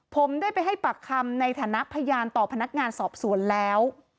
ผมได้ไปให้ปากคำในฐานะพยานต่อพนักงานสอบสวนแล้ว